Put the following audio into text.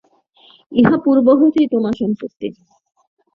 ইহা পূর্ব হইতেই তোমার সম্পত্তি।